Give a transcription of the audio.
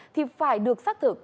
thì phải được xác thực